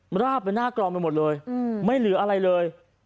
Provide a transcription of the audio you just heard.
มันราบไปหน้ากรองไปหมดเลยไม่เหลืออะไรเลย